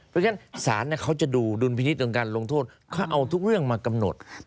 เพราะฉะนั้นศาลเขาจะดูดุลพินิษฐ์ของการลงโทษเขาเอาทุกเรื่องมากำหนด